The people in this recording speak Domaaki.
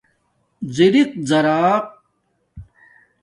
زَرق زارق